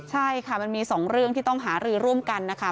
ใช่ค่ะมันมี๒เรื่องที่ต้องหารือร่วมกันนะคะ